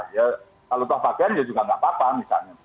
kalau toh pakaian ya juga nggak apa apa misalnya